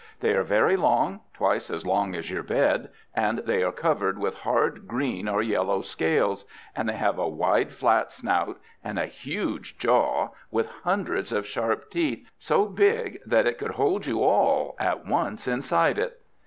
They are very long, twice as long as your bed; and they are covered with hard green or yellow scales; and they have a wide flat snout, and a huge jaw with hundreds of sharp teeth, so big that it could hold you all at once inside it.